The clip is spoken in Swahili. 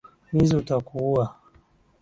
Wizi utakuua